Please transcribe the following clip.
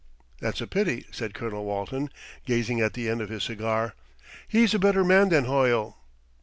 "That's a pity," said Colonel Walton, gazing at the end of his cigar. "He's a better man than Hoyle."